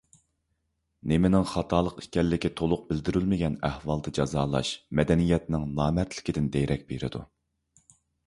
نېمىنىڭ خاتالىق ئىكەنلىكى تولۇق بىلدۈرۈلمىگەن ئەھۋالدا جازالاش مەدەنىيەتنىڭ نامەردلىكىدىن دېرەك بېرىدۇ.